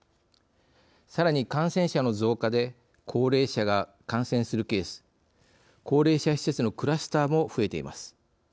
さらに、感染者の増加で高齢者が感染するケース高齢者施設のクラスターも増えています。